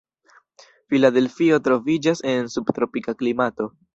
Filadelfio troviĝas en subtropika klimato.